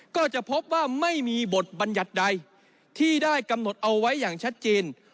ก็จะพบว่าไม่มีบทบัญญัติใดที่ได้กำหนดเอาไว้อย่างชัดเจน